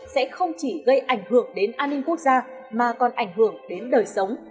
sẽ không chỉ gây ảnh hưởng đến an ninh quốc gia mà còn ảnh hưởng đến đời sống